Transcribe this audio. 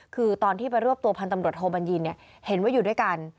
คือตอนที่ไปรวบตัวพันธุ์ตำรวจโทบัญญินเห็นว่าอยู่ด้วยกัน